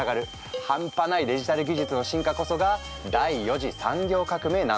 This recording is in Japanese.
半端ないデジタル技術の進化こそが第４次産業革命なんだそう。